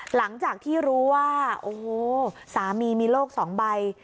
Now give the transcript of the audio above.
หลังจากที่รู้ว่าโอ้โหสามีมีโรคสองใบ